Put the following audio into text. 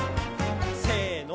せの。